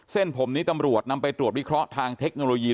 เส้นผมนี้ตำรวจนำไปตรวจวิเคราะห์ทางเทคโนโลยี